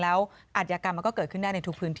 แล้วอาจยากรรมมันก็เกิดขึ้นได้ในทุกพื้นที่